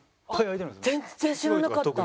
全然知らなかった。